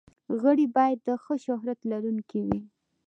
غړي باید د ښه شهرت لرونکي وي.